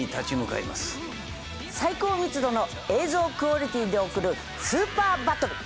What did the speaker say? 最高密度の映像クオリティーで送るスーパーバトル。